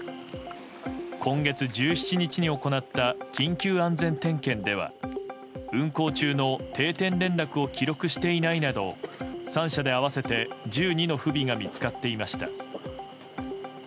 今月１７日に行った緊急安全点検では運航中の定点連絡を記録していないなど３社で合わせて１２の不備が見つかっていました。